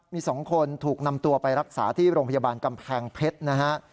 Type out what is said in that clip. มี๒คนถูกนำตัวไปรักษาที่โรงพยาบาลกำแพงเพชรนะฮะ